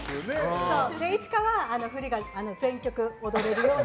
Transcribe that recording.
いつかは振りが全曲踊れるように。